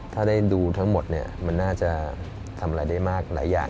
ถ้าได้ดูทั้งหมดเนี่ยมันน่าจะทำอะไรได้มากหลายอย่าง